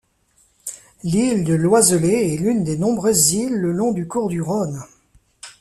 L'île de l'Oiselay est l'une des nombreuses îles le long du cours du Rhône.